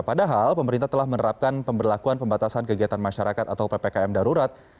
padahal pemerintah telah menerapkan pemberlakuan pembatasan kegiatan masyarakat atau ppkm darurat